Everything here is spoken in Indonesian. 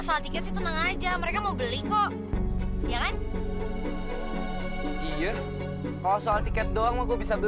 sampai jumpa di video selanjutnya